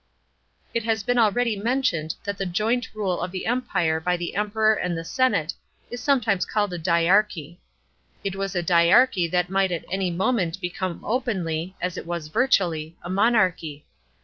§ 4. It has been already mentioned that the joint rule of the Empire by the Emperor and the senate is sometimes called a dyarchy. It was a dyarchy that might at any moment become openly, as it was virtually, a monarchy.